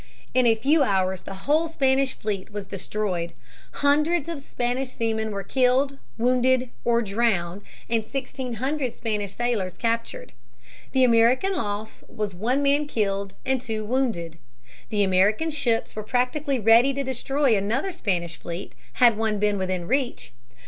In a few hours the whole Spanish fleet was destroyed; hundreds of Spanish seamen were killed, wounded, or drowned, and sixteen hundred Spanish sailors captured. The American loss was one man killed and two wounded. The American ships were practically ready to destroy another Spanish fleet had one been within reach.